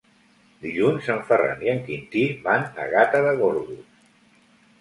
Dilluns en Ferran i en Quintí van a Gata de Gorgos.